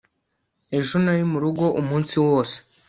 ejo nari murugo umunsi wose